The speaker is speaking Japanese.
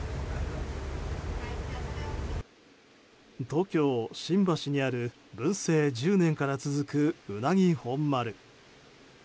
東京・新橋にある文政１０年から続くうなぎ本丸。